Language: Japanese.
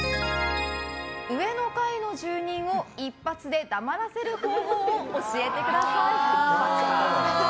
上の階の住人を一発で黙らせる方法を教えてください。